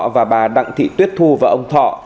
và bà đặng thị tuyết thu và ông thọ